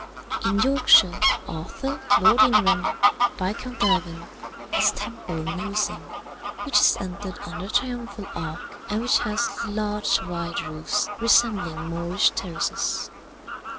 "In Yorkshire, Arthur, Lord Ingram, Viscount Irwin, has Temple Newsain, which is entered under a triumphal arch and which has large wide roofs resembling Moorish terraces.